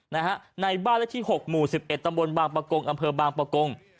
นะฮะในบ้านที่หกหมู่สิบเอ็ดตำบลบางปะกงอำเภอบางปะกง